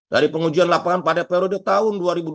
dari pengujian lapangan pada periode tahun dua ribu dua puluh